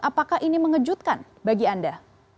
apakah ini mengejutkan bagi anda